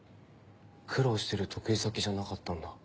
苦労してる得意先じゃなかったんだ。